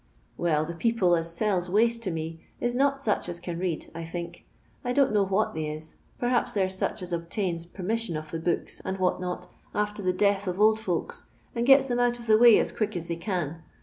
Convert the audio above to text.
Well, the people as sells * waste' to me is not such as can read, I think; Idon't know what they is; perhaps they 're such as obtains possession cf the books and what not after the death of old folks, and gets them nnt of the way as quick as they can.